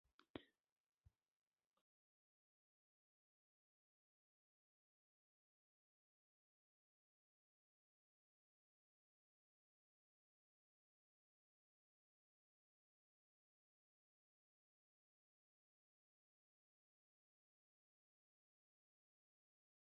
Schafer es más conocido en la industria de los videojuegos por sus tramas interesantes.